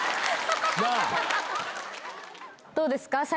どうですか？